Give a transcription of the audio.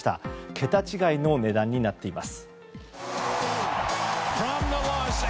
桁違いの値段になっています。